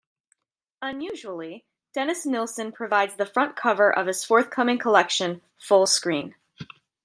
Unusually, Dennis Nilsen provides the front cover of his forthcoming collection, "Full Screen".